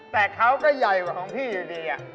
แต่เขาก็ใหญ่กว่าของพี่อยู่ดี